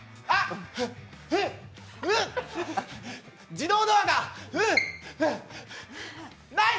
自動ドアが！ない！